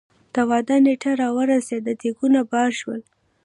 د واده نېټه را ورسېده ديګونه بار شول.